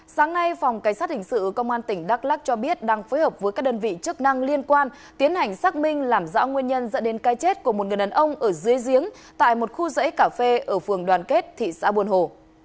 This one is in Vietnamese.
sáng nay phòng cảnh sát hình sự công an tỉnh đắk lắc cho biết đang phối hợp với các đơn vị chức năng liên quan tiến hành xác minh làm rõ nguyên nhân dẫn đến cái chết của một người đàn ông ở dưới giếng tại một khu dãy cà phê ở phường đoàn kết thị xã buôn hồ